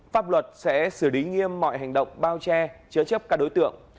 pháp luật sẽ xử lý nghiêm mọi hành động bao che chứa chấp các đối tượng